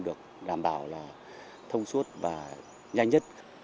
được đảm bảo là thông suốt và nhanh nhất